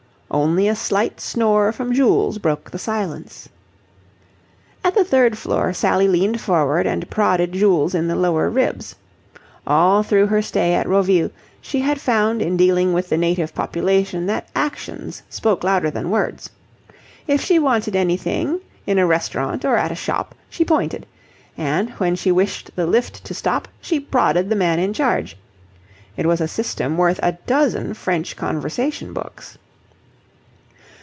Only a slight snore from Jules broke the silence. At the third floor Sally leaned forward and prodded Jules in the lower ribs. All through her stay at Roville, she had found in dealing with the native population that actions spoke louder than words. If she wanted anything in a restaurant or at a shop, she pointed; and, when she wished the lift to stop, she prodded the man in charge. It was a system worth a dozen French conversation books.